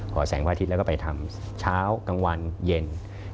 แสงวันอาทิตย์แล้วก็ไปทำเช้ากลางวันเย็น